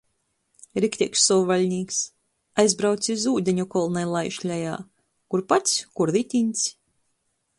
Rikteigs sovvaļnīks! Aizbraucs iz Ūdeņu kolna i laiž lejā. Kur pats, kur ritiņs!